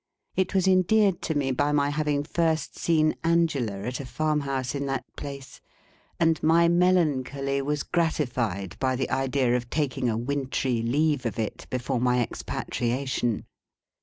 It was endeared to me by my having first seen Angela at a farmhouse in that place, and my melancholy was gratified by the idea of taking a wintry leave of it before my expatriation.